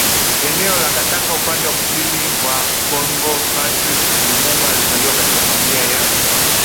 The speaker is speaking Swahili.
eneo la Katanga upande wa kusini wa KongoPatrice Lumumba alizaliwa katika familia ya